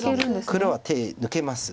黒は手抜けます。